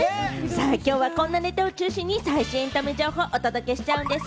きょうは、このネタを中心に最新エンタメ情報をお届けしちゃうんでぃす。